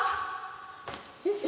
よいしょ。